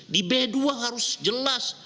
di b dua harus jelas